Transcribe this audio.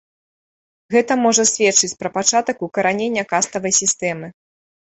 Гэта можа сведчыць пра пачатак укаранення каставай сістэмы.